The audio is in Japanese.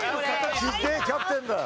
ひでえキャプテンだよ。